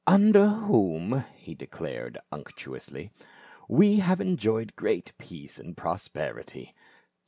"Under whom," he de clared unctuously " we have enjoyed great peace and prosperity.